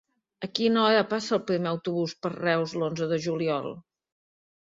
A quina hora passa el primer autobús per Reus l'onze de juliol?